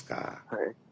はい。